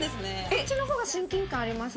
こっちの方が親近感あります